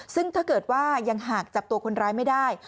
ซึ่งถ้าเกิดว่ายังหากจับตัวคนร้ายไม่ได้